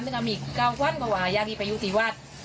ซึ่งก็มีเก้าวันเขาก็อยากไปอยู่ที่วัด